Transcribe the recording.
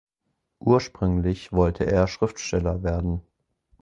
Ursprünglich wollte er Schriftsteller werden.